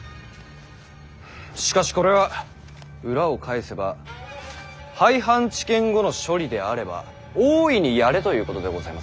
しかしこれは裏を返せば「廃藩置県後の処理であれば大いにやれ」ということでございますな。